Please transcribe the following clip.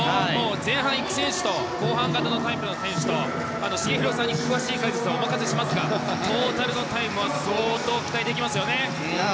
前半いく選手と後半型の選手と繁浩さんに詳しい解説はお任せしますがトータルのタイムは相当期待できますよね。